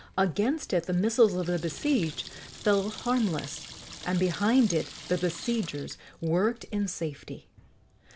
Against it the missiles of the besieged fell harmless, and behind it the besiegers worked in safety.